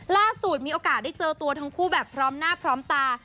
ล่าสุดมีโอกาสได้เจอตัวทั้งคู่แบบพร้อมหน้าพร้อมตา